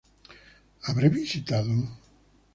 Habré visitado?